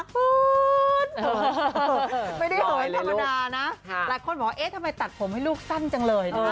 ไม่ได้เหยธรรมดานะหลายคนบอกเอ๊ะทำไมตัดผมให้ลูกสั้นจังเลยนะ